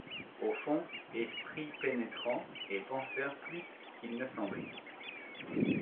Au fond, esprit pénétrant, et penseur plus qu’il ne semblait.